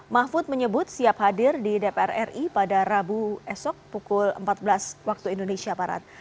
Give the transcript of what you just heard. mahfud menyebut siap hadir di dpr ri pada rabu esok pukul empat belas waktu indonesia barat